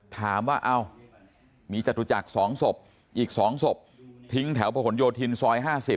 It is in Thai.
ถามว่ามีจตุจักร๒ศพอีก๒ศพทิ้งแถวประหลโยธินซอย๕๐